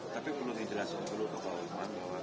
tapi perlu dijelaskan dulu ke pak ustman